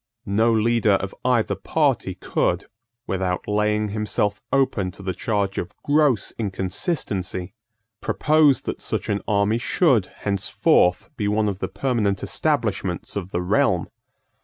No leader of either party could, without laying himself open to the charge of gross inconsistency, propose that such an army should henceforth be one of the permanent establishments of the realm.